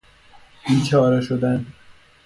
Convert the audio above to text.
بیچاره شدن